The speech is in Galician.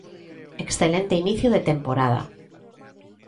Excelente inicio de temporada.